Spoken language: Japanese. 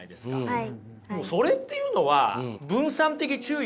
はい。